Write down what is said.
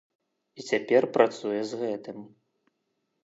І цяпер працуе з гэтым.